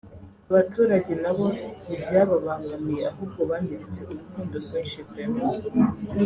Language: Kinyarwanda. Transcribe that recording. abaturage nabo ntibyababangamiye ahubwo banyeretse urukundo rwinshi vraiment